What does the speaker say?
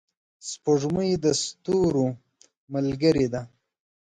سپوږمۍ د ستورو ملګرې ده.